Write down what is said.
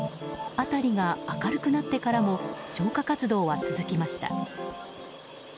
辺りが明るくなってからも消火活動は続きました。